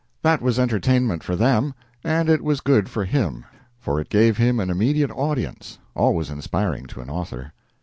That was entertainment for them, and it was good for him, for it gave him an immediate audience, always inspiring to an author.